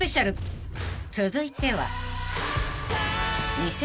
［続いては］